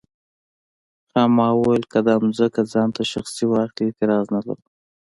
خاما وویل که دا ځمکه ځان ته شخصي واخلي اعتراض نه لرو.